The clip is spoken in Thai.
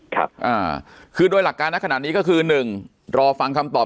ครับอ่าคือโดยหลักการนะขนาดนี้ก็คือหนึ่งรอฟังคำตอบ